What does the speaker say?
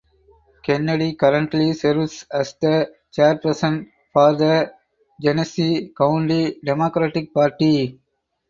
Kennedy currently serves as the chairperson for the Genesee County Democratic Party.